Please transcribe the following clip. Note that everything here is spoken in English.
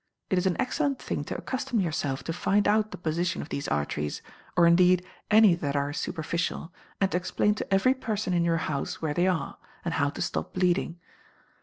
It is an excellent thing to accustom yourself to find out the position of these arteries, or, indeed, any that are superficial, and to explain to every person in your house where they are, and how to stop bleeding.